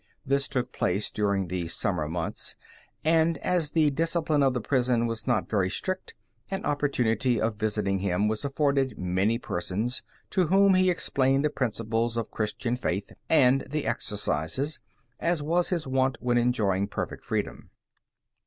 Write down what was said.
This took place during the summer months, and as the discipline of the prison was not very strict, an opportunity of visiting him was afforded many persons, to whom he explained the principles of Christian faith and the Exercises, as was his wont when enjoying perfect freedom.